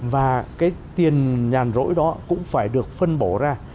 và cái tiền nhàn rỗi đó cũng phải được phân bổ ra